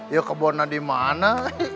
ya kebunan dimana